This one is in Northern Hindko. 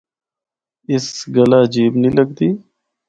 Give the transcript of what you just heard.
اس گلا عجیب نیں لگدی۔